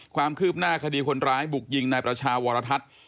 ความคืบหน้าคดีคนร้ายบุกยิงนายประชาวรทัศน์